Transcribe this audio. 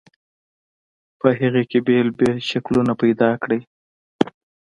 په هغې کې بېل بېل شکلونه پیدا کړئ.